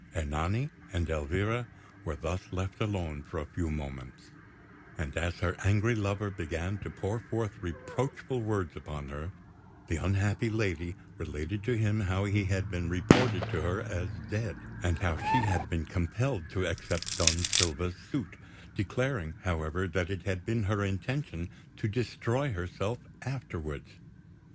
Ernani and Elvira were thus left alone for a few moments; and as her angry lover began to pour forth reproachful words upon her, the unhappy lady related to him how he had been reported to her as dead, and how she had been compelled to accept Don Silva's suit, declaring, however, that it had been her intention to destroy herself afterwards.